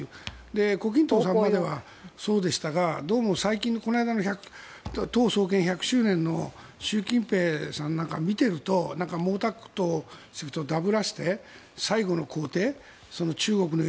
胡錦涛さんまではそうでしたがどうも最近のこの間の党創建１００周年の習近平さんなんかを見ていると毛沢東とだぶらせて最後の皇帝、中国の夢